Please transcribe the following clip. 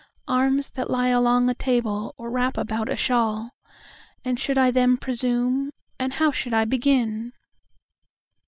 Arms that lie along a table, or wrap about a shawl. And should I then presume? And how should I begin?